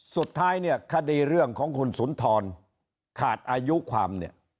สุดท้ายคดีเรื่องของคุณสุนทรขาดอายุความ